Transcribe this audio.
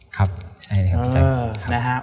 ครับใช่ครับ